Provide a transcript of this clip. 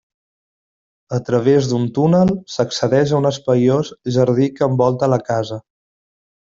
A través d'un túnel s'accedeix a un espaiós jardí que envolta la casa.